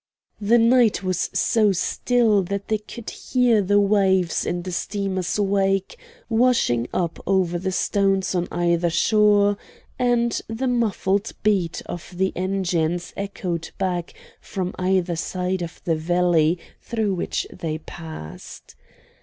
The night was so still that they could hear the waves in the steamer's wake washing up over the stones on either shore, and the muffled beat of the engines echoed back from either side of the valley through which they passed.